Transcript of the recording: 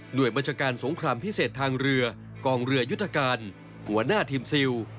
โดยบัญชาการสงครามพิเศษทางเรือกองเรือยุทธการหัวหน้าทีมซิล